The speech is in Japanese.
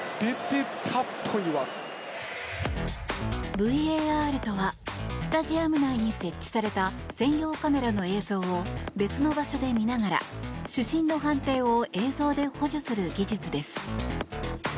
ＶＡＲとはスタジアム内に設置された専用カメラの映像を別の場所で見ながら主審の判定を映像で補助する技術です。